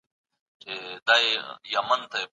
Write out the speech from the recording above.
تاسو باید په خپلو خبرو کي منطق ولرئ.